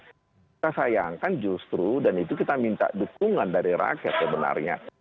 kita sayangkan justru dan itu kita minta dukungan dari rakyat sebenarnya